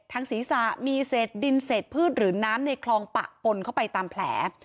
ศีรษะมีเศษดินเศษพืชหรือน้ำในคลองปะปนเข้าไปตามแผล